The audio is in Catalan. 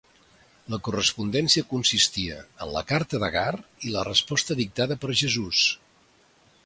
La correspondència consistia en la carta d'Agar i la resposta dictada per Jesús.